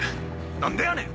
何でやねん！